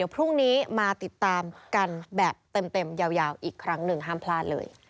พรุ่งนี้มาติดตามกันแบบเต็มยาวอีกครั้งหนึ่งห้ามพลาดเลย